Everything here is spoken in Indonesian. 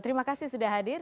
terima kasih sudah hadir